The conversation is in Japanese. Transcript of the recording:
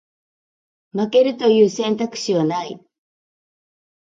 負けるという選択肢はない